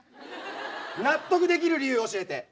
納得できる理由教えて。